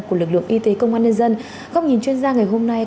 của lực lượng y tế công an nhân dân góc nhìn chuyên gia ngày hôm nay